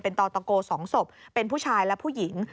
ต่อตะโก๒ศพเป็นผู้ชายและผู้หญิง